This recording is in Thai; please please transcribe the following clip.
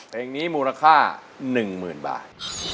เพลงนี้มูลค่า๑๐๐๐บาท